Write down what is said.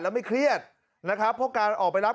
แล้วไม่เครียดนะครับเพราะการออกไปรับ